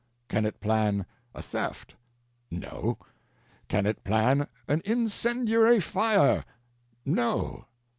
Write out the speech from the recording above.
Can it plan a theft? No. Can it plan an incendiary fire? No.